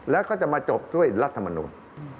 แล้วก็จะมาจบด้วยรัฐมนูล